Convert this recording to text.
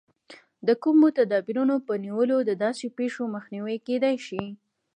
د کومو تدابیرو په نیولو د داسې پېښو مخنیوی کېدای شي.